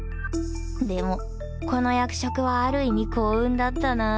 でもこの役職はある意味幸運だったな